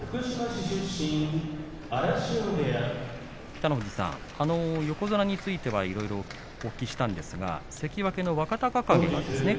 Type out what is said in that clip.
北の富士さん、横綱についてはいろいろお聞きしたんですが関脇の若隆景ですね。